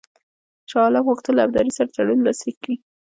شاه عالم غوښتل له ابدالي سره تړون لاسلیک کړي.